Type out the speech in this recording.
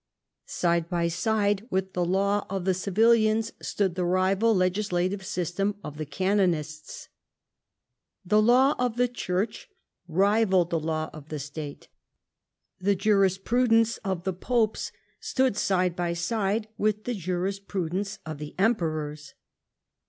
Side by side with the law of the civilians stood the rival legislative system of the canonists. The law of the Church rivalled the law of the State ; the juris prudence of the popes stood side by side with the jurisprudence of the emperors.